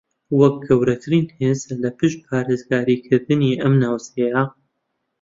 وەکو گەورەترین ھێز لە پشت پارێزگاریکردنی ئەم ناوچەیە